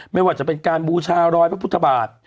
ไม่ว่าจะเป็นการบูชารอยพระพุทธบาท